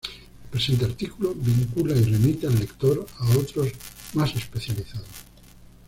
El presente artículo vincula, y remite al lector, a otros más especializados.